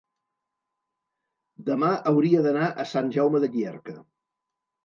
demà hauria d'anar a Sant Jaume de Llierca.